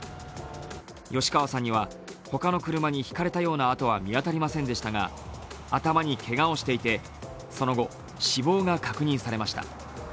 吉川さんには他の車にひかれたような跡は見当たりませんでしたが頭にけがをしていてその後、死亡が確認されました。